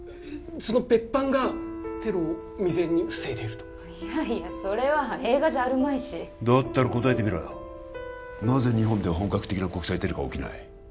その別班がテロを未然に防いでるといやいやそれは映画じゃあるまいしだったら答えてみろよなぜ日本では本格的な国際テロが起きない？